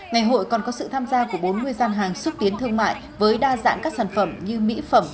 ngày hội còn có sự tham gia của bốn mươi gian hàng xúc tiến thương mại với đa dạng các sản phẩm như mỹ phẩm